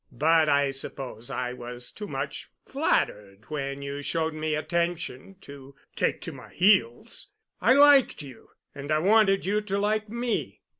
But I suppose I was too much flattered when you showed me attention to take to my heels. I liked you and I wanted you to like me.